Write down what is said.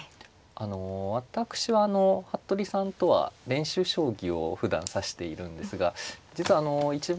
あの私は服部さんとは練習将棋をふだん指しているんですが実はあの一番